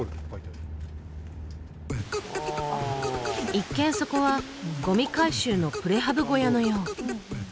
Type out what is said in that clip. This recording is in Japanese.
一見そこはゴミ回収のプレハブ小屋のよう。